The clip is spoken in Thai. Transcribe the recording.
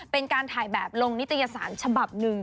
เป็นการถ่ายแบบลงนิตยสารฉบับหนึ่ง